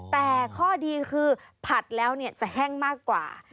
แต่ข้อดีคือผัดแล้วจะแห้งมากกว่า